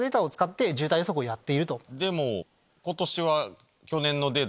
でも。